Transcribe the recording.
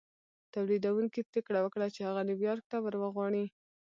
توليدوونکي پرېکړه وکړه چې هغه نيويارک ته ور وغواړي.